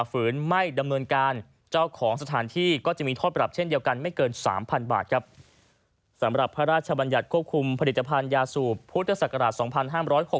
สำหรับพระราชบัญญัติควบคุมผลิตภัณฑ์ยาสูบพุทธศักราช๒๕๖๐